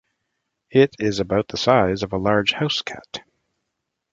It is about the size of a large housecat.